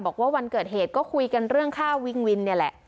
บอกว่าวันเกิดเหตุก็คุยกันเรื่องค่าวิงวินวินเนี่ยแหละ